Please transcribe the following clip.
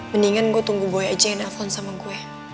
mendingan gue tunggu boy aja yang telepon sama gue